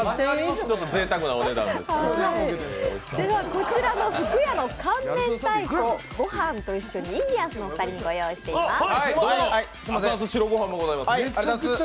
こちらのふくやの缶明太子、御飯と一緒にインディアンスのお二人にご用意しています。